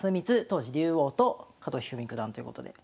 当時竜王と加藤一二三九段ということで。